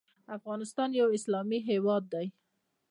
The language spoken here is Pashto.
افغانستان یو اسلامي هیواد دی.